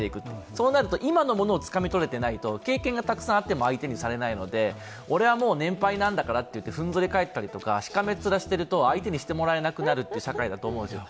そうなると、今のものをつかみとれていないと経験がたくさんあっても相手にされないので、俺は年配なんだからといってふんぞりかえったりとか、しかめっ面していると相手にしてもらえなくなるという社会だと思うんですよ。